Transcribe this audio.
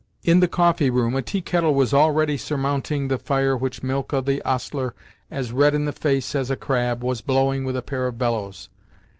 In the coffee room, a tea kettle was already surmounting the fire which Milka the ostler, as red in the face as a crab, was blowing with a pair of bellows.